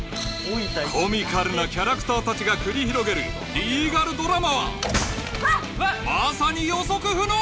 コミカルなキャラクター達が繰り広げるリーガルドラマはまさに予測不能！